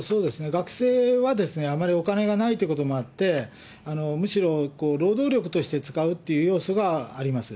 学生はあまりお金がないということもあって、むしろ労働力として使うっていう要素があります。